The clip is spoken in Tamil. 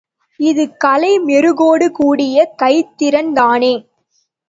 இது கலை மெருகோடு கூடிய கைத்திறன்தானே.